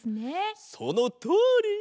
そのとおり！